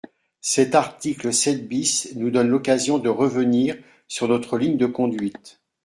Cet article sept bis nous donne l’occasion de revenir sur notre ligne de conduite.